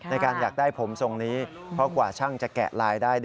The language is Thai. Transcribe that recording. ในการอยากได้ผมทรงนี้เพราะกว่าช่างจะแกะลายได้